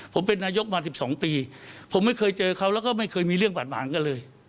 ผมเป็นนายกมา๑๒ปีผมไม่เคยเจอเขาแล้วก็ไม่เคยมีเรื่องบาดหมางกันเลย